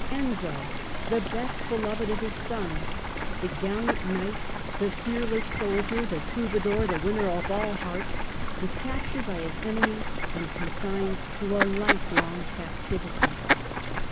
Enzio, the best beloved of his sons, the gallant knight, the fearless soldier, the THE GATHERING OF THE CLOUDS 269 troubadour, the winner of all hearts, was captured by his enemies and consigned to a lifelong captivity.